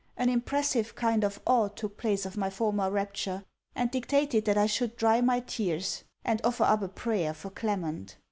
An impressive kind of awe took place of my former rapture, and dictated that I should dry my tears, and offer up a prayer for Clement.